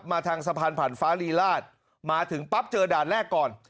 ทางสะพานผ่านฟ้ารีราชมาถึงปั๊บเจอด่านแรกก่อน